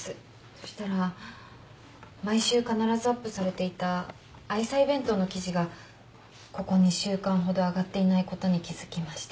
そしたら毎週必ずアップされていた愛妻弁当の記事がここ２週間ほど上がっていないことに気付きまして。